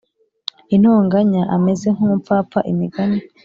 intonganya ameze nk umupfapfa Imigani